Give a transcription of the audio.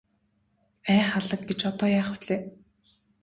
Ай халаг гэж одоо яах билээ.